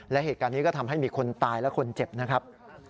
และเหตุการณ์นี้ก็ทำให้มีคนตายและคนเจ็บนะครับ